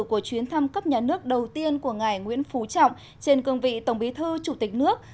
của chuyến thăm cấp nhà nước đầu tiên của ngài nguyễn phú trọng trên cương vị tổng bí thư chủ tịch nước